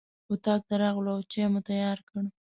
اطاق ته راغلو او چای مو تیار کړ.